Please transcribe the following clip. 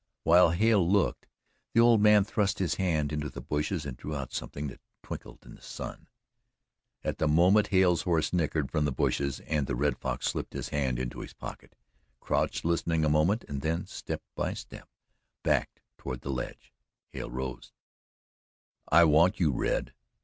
While Hale looked, the old man thrust his hand into the bushes and drew out something that twinkled in the sun. At the moment Hale's horse nickered from the bushes, and the Red Fox slipped his hand into his pocket, crouched listening a moment, and then, step by step, backed toward the ledge. Hale rose: "I want you, Red!"